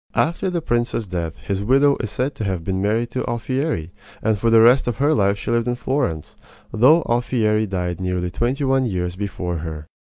After the prince's death his widow is said to have been married to Alfieri, and for the rest of her life she lived in Florence, though Alfieri died nearly twenty one years before her.